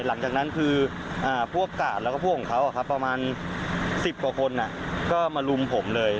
หลังจากนั้นคือพวกกาดแล้วก็พวกของเขาประมาณ๑๐กว่าคนก็มารุมผมเลย